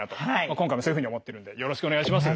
今回もそういうふうに思ってるんでよろしくお願いします。